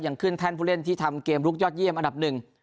ขึ้นแท่นผู้เล่นที่ทำเกมลุกยอดเยี่ยมอันดับหนึ่ง